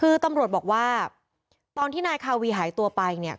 คือตำรวจบอกว่าตอนที่นายคาวีหายตัวไปเนี่ย